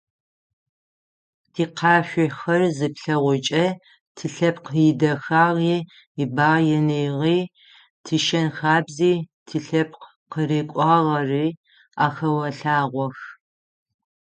Тикъашъохэр зыплъэгъукӏэ тилъэпкъ идэхагъи, ибаиныгъи, тишэн-хабзи, тилъэпкъ къырыкӏуагъэри ахэолъагъох.